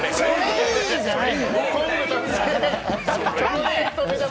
じゃない。